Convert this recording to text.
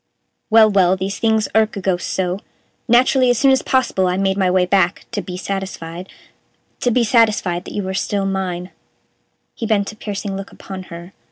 "Well, well, these things irk a ghost so. Naturally, as soon as possible I made my way back to be satisfied to be satisfied that you were still mine." He bent a piercing look upon her.